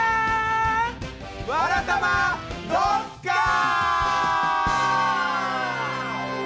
「わらたまドッカン」！